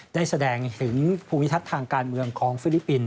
ได้แสดงถึงภูมิทัศน์ทางการเมืองของฟิลิปปินส